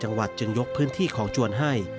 จังหวัดจึงยกพื้นที่ของจวนให้